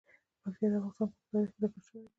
پکتیا د افغانستان په اوږده تاریخ کې ذکر شوی دی.